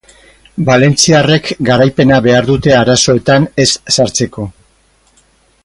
Valentziarrek garaipena behar dute arazoetan ez sartzeko.